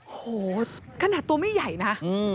โอ้โหขนาดตัวไม่ใหญ่นะ